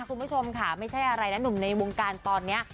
คุณผู้ชมค่ะไม่ใช่อะไรนะหนุ่มในวงการตอนนี้